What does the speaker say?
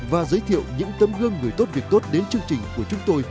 và giới thiệu những tấm gương người tốt việc tốt đến chương trình của chúng tôi